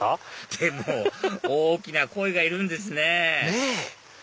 でも大きな鯉がいるんですねねっ。